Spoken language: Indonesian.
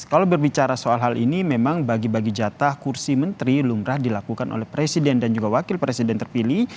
kalau berbicara soal hal ini memang bagi bagi jatah kursi menteri lumrah dilakukan oleh presiden dan juga wakil presiden terpilih